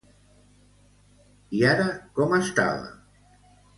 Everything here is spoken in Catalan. I ara com estava?